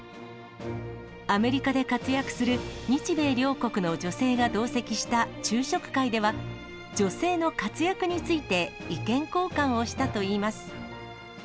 アメリカで活躍する日米両国の女性が同席した昼食会では、女性の活躍について意見交換をしたといいます。